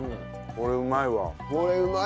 これうまいのよ。